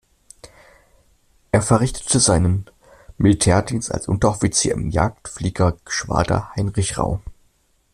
Er verrichtete seinen Militärdienst als Unteroffizier im Jagdfliegergeschwader „Heinrich Rau“.